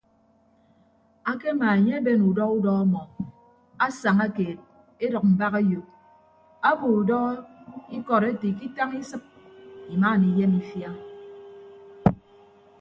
Akemaa enye eben udọ udọ ọmọ asaña keed edʌk mbak eyop abo udọ ikọd ete ikitañ isịp imaana iyeem ifia.